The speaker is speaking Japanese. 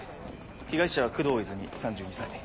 被害者は工藤泉３２歳。